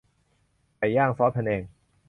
ไก่ย่างซอสพะแนง